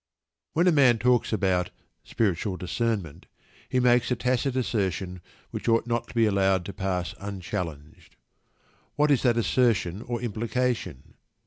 When a man talks about "spiritual discernment," he makes a tacit assertion which ought not to be allowed to pass unchallenged. What is that assertion or implication?